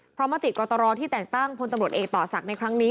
เพราะมติกตรที่แต่งตั้งพลตำรวจเอกต่อศักดิ์ในครั้งนี้